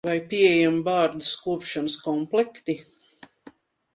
Vai pieejami bārdas kopšanas komplekti?